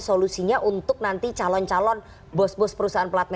solusinya untuk nanti calon calon bos bos perusahaan platform